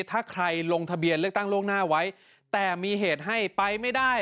ถ้าใครลงทะเบียนเลือกตั้งล่วงหน้าไว้แต่มีเหตุให้ไปไม่ได้